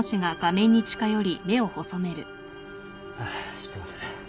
知ってます。